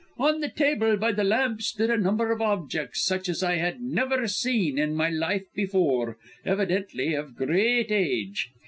On the table by the lamp stood a number of objects such as I had never seen in my life before, evidently of great age.